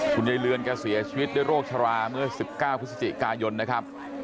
คุณยายเลือนก็เสียชีวิตโรคชะลาเมื่อ๑๙พฤศจิกายนนะครับ